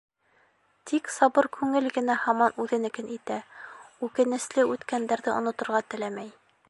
Тик сабыр күңел генә һаман үҙенекен итә, үкенесле үткәндәрҙе оноторға теләмәй.